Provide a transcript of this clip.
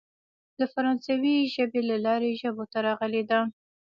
د فرانسوۍ ژبې له لارې ژبو ته راغلې ده.